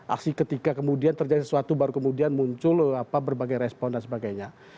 aksi ketika kemudian terjadi sesuatu baru kemudian muncul berbagai respon dan sebagainya